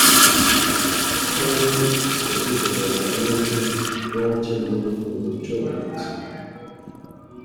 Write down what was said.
Tony Esposito was the American goaltender for the tournament.